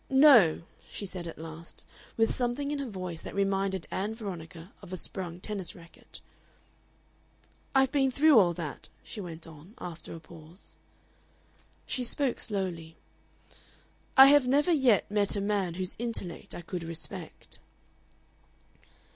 "NO!" she said, at last, with something in her voice that reminded Ann Veronica of a sprung tennis racket. "I've been through all that," she went on, after a pause. She spoke slowly. "I have never yet met a man whose intellect I could respect."